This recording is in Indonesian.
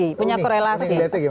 dan punya korelasi